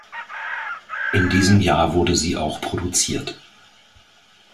In diesem Jahr wurde sie auch produziert.